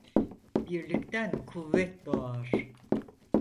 Birlikten kuvvet doğar.